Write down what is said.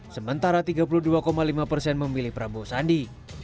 sementara tiga puluh dua lima persen memilih prabowo sandi